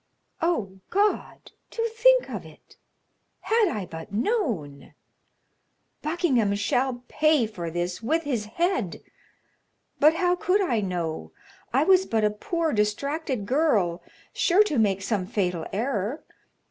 "Oh, God; to think of it! Had I but known! Buckingham shall pay for this with his head; but how could I know? I was but a poor, distracted girl, sure to make some fatal error.